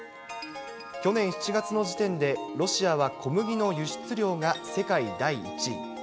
去年７月の時点で、ロシアは小麦の輸出量が世界第１位。